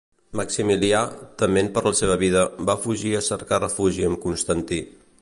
Maximià, tement per la seva vida, va fugir a cercar refugi amb Constantí.